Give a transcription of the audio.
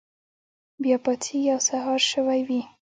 بیا پاڅیږي او سهار شوی وي.